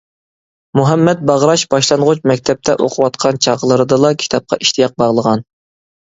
مۇھەممەت باغراش باشلانغۇچ مەكتەپتە ئوقۇۋاتقان چاغلىرىدىلا كىتابقا ئىشتىياق باغلىغان.